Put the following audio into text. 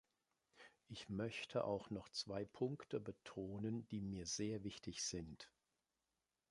Ich möchte auch noch zwei Punkte betonen, die mir sehr wichtig sind.